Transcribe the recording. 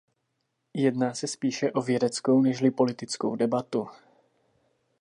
Jedná se spíše o vědeckou nežli politickou debatu.